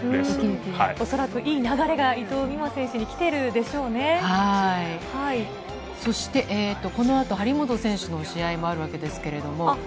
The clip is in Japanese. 恐らくいい流れが伊藤美誠選そしてこのあと、張本選手の試合もあるわけですけれども。